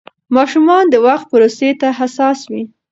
ماشومان د وخت پروسې ته حساس وي.